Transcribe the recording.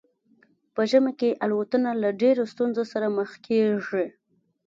په ژمي کې الوتنه له ډیرو ستونزو سره مخ کیږي